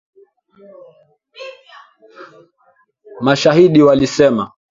mashahidi walisema